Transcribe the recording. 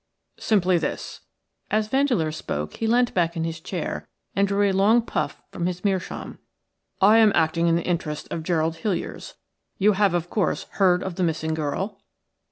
"Simply this." As Vandeleur spoke he leant back in his chair and drew a long puff from his meerschaum. "I am acting in the interests of Gerald Hiliers. You have, of course, heard of the missing girl?"